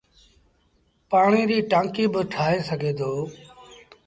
پآڻيٚ ريٚ ٽآنڪيٚ با ٺآهي سگھي دو۔